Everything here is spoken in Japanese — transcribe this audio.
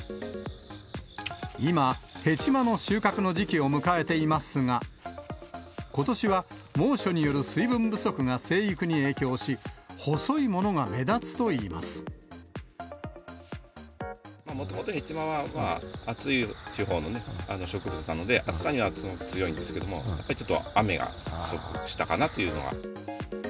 今、ヘチマの収穫の時期を迎えていますが、ことしは猛暑による水分不足が生育に影響し、細いものが目立つともともとヘチマは暑い地方のね、植物なので、暑さにはすごく強いんですけども、やっぱりちょっと雨が不足したかなというのが。